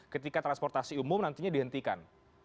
ketika transportasi umum nantinya dihentikan